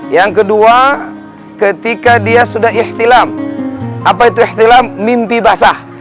yang kedua ketika dia sudah ikhtilam apa itu ikhtilam mimpi basah